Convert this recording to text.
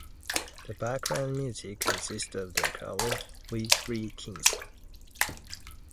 The background music consists of the carol "We Three Kings".